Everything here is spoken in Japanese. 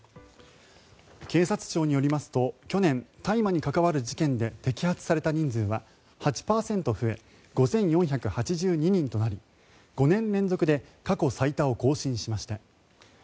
警察庁によりますと去年、大麻に関わる事件で摘発された人数は８％増え５４８２人となり５年連続で過去最多を更新しました。